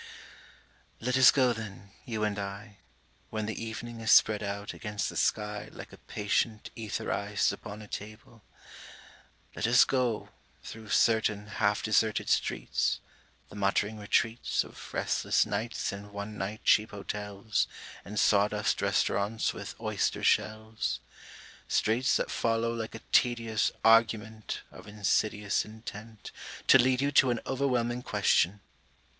_ Let us go then, you and I, When the evening is spread out against the sky Like a patient etherized upon a table; Let us go, through certain half deserted streets, The muttering retreats Of restless nights in one night cheap hotels And sawdust restaurants with oyster shells: Streets that follow like a tedious argument Of insidious intent To lead you to an overwhelming question